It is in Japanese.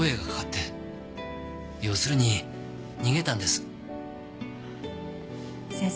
要するに逃げたんです。